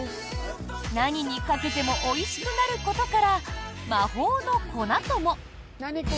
何にかけてもおいしくなることから魔法の粉とも。